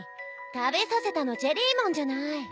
食べさせたのジェリーモンじゃない。